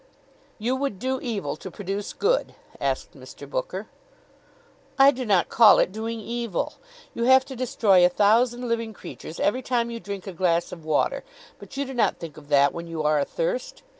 "You would do evil to produce good?" asked Mr. Booker. "I do not call it doing evil. You have to destroy a thousand living creatures every time you drink a glass of water, but you do not think of that when you are athirst.